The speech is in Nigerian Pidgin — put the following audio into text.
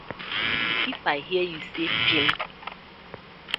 If I hear yu say pipp.